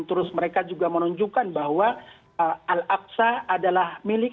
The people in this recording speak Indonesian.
terus mereka juga menunjukkan bahwa al aqsa adalah milik